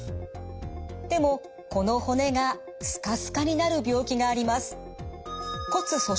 でもこの骨がスカスカになる病気があります。